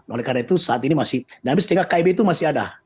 oleh karena itu saat ini masih dinamis sehingga kib itu masih ada